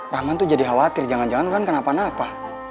rahman tuh jadi khawatir jangan jangan kan kenapa napa